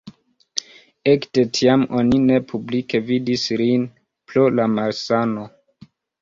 Ekde tiam oni ne publike vidis lin pro la malsano.